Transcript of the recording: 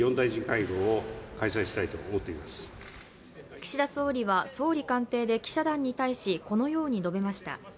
岸田総理は総理官邸で記者団に対し、このように述べました。